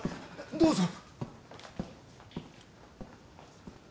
どうぞ。